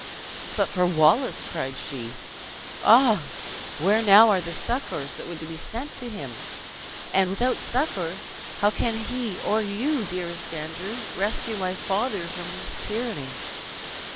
"But for Wallace!" cried she, "ah, where are now the succors that were to be sent to him! And without succors, how can he, or you, dearest Andrew, rescue my father from this tyranny!"